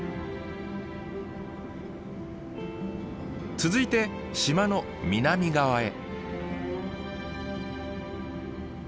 続いて島の南側へ。